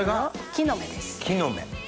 木の芽。